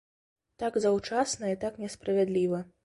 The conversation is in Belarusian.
Так заўчасна і так несправядліва.